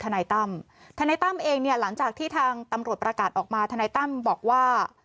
นายตั้มทนายตั้มเองเนี่ยหลังจากที่ทางตำรวจประกาศออกมาทนายตั้มบอกว่า